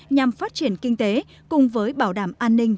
nhằm phát triển kinh tế cùng với bảo đảm an ninh